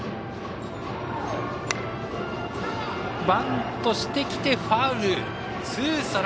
バントしてきてファウル。